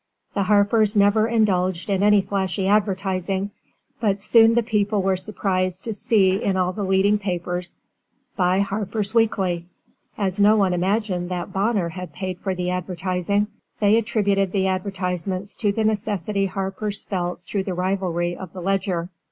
The Harpers never indulged in any flashy advertising, but soon the people were surprised to see in all the leading papers, 'Buy Harpers Weekly,' as no one imagined that Bonner had paid for the advertising; they attributed the advertisements to the necessity Harpers felt through the rivalry of the Ledger.